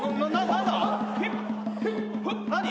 何？